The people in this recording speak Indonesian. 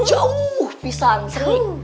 jauh pisan sri